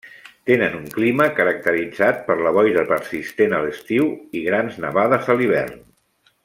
Tenen un clima caracteritzat per la boira persistent a l'estiu i grans nevades a l'hivern.